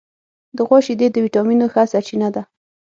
د غوا شیدې د وټامینونو ښه سرچینه ده.